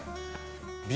Ｂ